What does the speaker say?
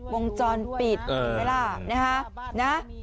วงจรปิดไหมล่ะนะฮะ